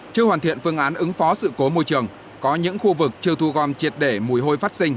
chưa hoàn thiện phương án ứng phó sự cố môi trường có những khu vực chưa thu gom triệt để mùi hôi phát sinh